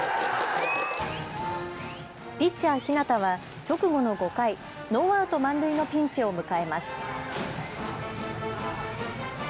ピッチャー、日當は直後の５回、ノーアウト満塁のピンチを迎えます。